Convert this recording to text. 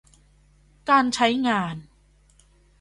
การใช้งาน